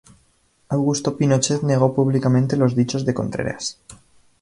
Augusto Pinochet negó públicamente los dichos de Contreras.